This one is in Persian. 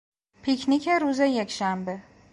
پیک نیک روز یکشنبه